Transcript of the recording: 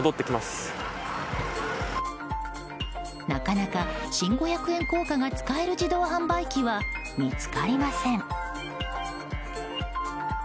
なかなか新五百円硬貨が使える自動販売機は見つかりません。